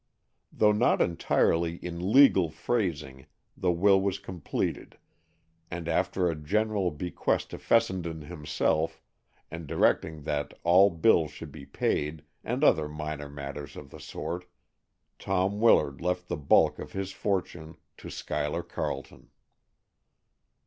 Though not entirely in legal phrasing, the will was completed, and after a general bequest to Fessenden himself, and directing that all bills should be paid, and other minor matters of the sort, Tom Willard left the bulk of his fortune to Schuyler Carleton.